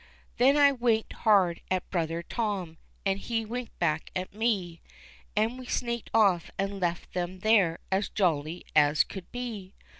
Then I winked hard at brother Tom, and he winked back at me, And we sneaked off and left them there as jolly as could be.